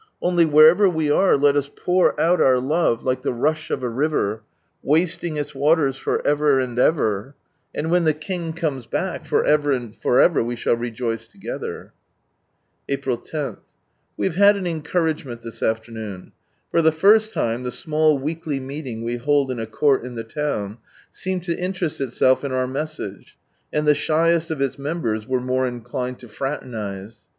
Only, wherever we are, lei us pour out our "love like the rush of a river, wasting its waters for ever and ever,' and when the King comes back, for ever and for ever we shall rejoice together. April lo. — We have had an encouragement this afternoon. For the first time the small weekly meeting we hold in a court in the town, seemed to interest itself in our message, and the shyest of its members were more inclined to fraternise.